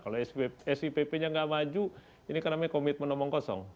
kalau sipp nya tidak maju ini karena komitmennya omong kosong